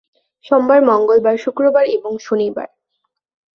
সোমবার, মঙ্গলবার, শুক্রবার এবং শনিবার।